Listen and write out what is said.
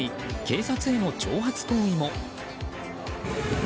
警察への挑発行為も。